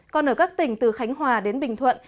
còn ở các tỉnh từ khánh hòa đến bình thuận